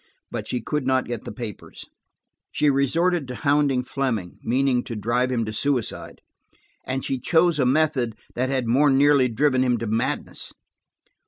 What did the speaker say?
But she could not get the papers. She resorted to hounding Fleming, meaning to drive him to suicide. And she chose a method that had more nearly driven him to madness.